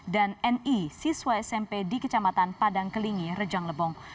dan ni siswa smp di kecamatan padang kelingi rejang lebong